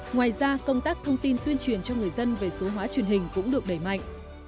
ngoài ra công tác thông tin tuyên truyền cho người dân về số hóa truyền hình cũng được đẩy mạnh